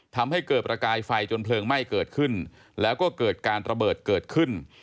ทำให้เกิดประกายไฟจนเพลิงไหม้เกิดขึ้นแล้วก็เกิดการระเบิดเกิดขึ้น